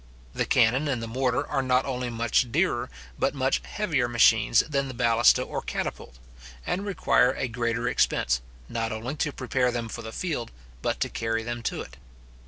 The cannon and the mortar are not only much dearer, but much heavier machines than the balista or catapulta; and require a greater expense, not only to prepare them for the field, but to carry them to it.